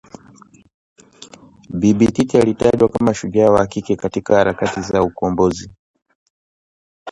Bibi Titi alitajwa kama "shujaa wa kike katika harakati za ukombozi"